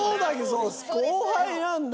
後輩なんだ。